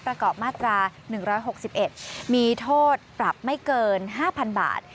ประกอบมาตรา๑๖๑มีโทษปรับไม่เกิน๕๐๐๐บาท